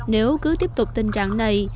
nếu cứ tiếp tục tình trạng này